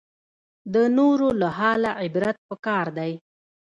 د نورو له حاله عبرت پکار دی